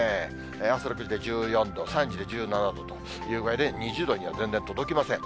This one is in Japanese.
朝の９時で１４度、３時１７度という具合で、２０度には全然届きません。